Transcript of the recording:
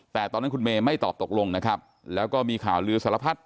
แต่ตอนนั้นคุณเมย์ไม่ตอบตกลงนะครับแล้วก็มีข่าวลือสารพัด